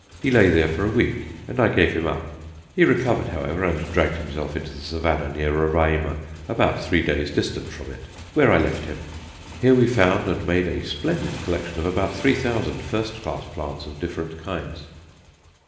He lay there for a week, and I gave him up; he recovered, however, and dragged himself into the Savannah near Roraima, about three days distant from it, where I left him. Here we found and made a splendid collection of about 3000 first class plants of different kinds.